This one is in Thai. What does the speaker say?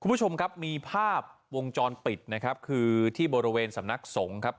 คุณผู้ชมครับมีภาพวงจรปิดนะครับคือที่บริเวณสำนักสงฆ์ครับ